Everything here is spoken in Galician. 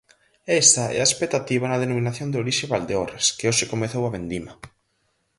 Esa é a expectativa na Denominación de Orixe Valdeorras, que hoxe comezou a vendima.